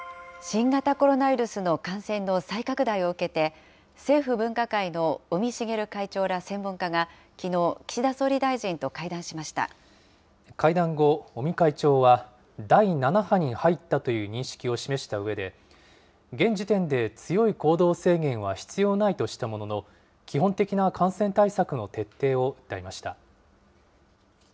新型コロナウイルスの感染の再拡大を受けて、政府分科会の尾身茂会長ら専門家が、きのう、岸田総理大臣と会談会談後、尾身会長は第７波に入ったという認識を示したうえで、現時点で強い行動制限は必要ないとしたものの、基本的な感染対策の徹底を訴えました。